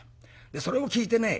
それを聞いてね